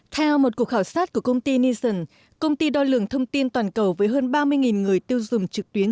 theo một cuộc khảo sát của công ty nissan công ty đo lường thông tin toàn cầu với hơn ba mươi người tiêu dùng trực tuyến